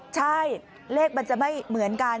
ใช่เลขมันจะไม่เหมือนกัน